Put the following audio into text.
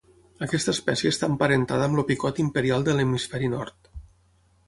Aquesta espècie està emparentada amb el picot imperial de l'hemisferi nord.